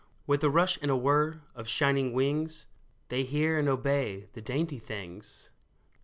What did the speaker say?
With a rush and a whir of shining wings, They hear and obey — the dainty things